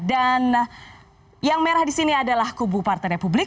dan yang merah disini adalah kubu partai republik